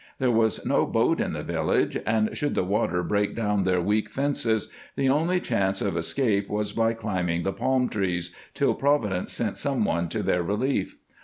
There was no boat in the village ; and should the water break down their weak fences, the only chance of escape was by climbing the palm trees, till Providence sent some one to their relief.